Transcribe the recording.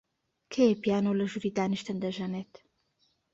کێیە پیانۆ لە ژووری دانیشتن دەژەنێت؟